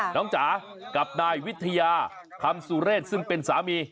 จ๋ากับนายวิทยาคำสุเรศซึ่งเป็นสามี